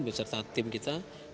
beserta tim kita